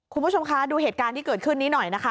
คุณผู้ชมคะดูเหตุการณ์ที่เกิดขึ้นนี้หน่อยนะคะ